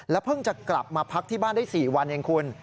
เพิ่งจะกลับมาพักที่บ้านได้๔วันเองคุณ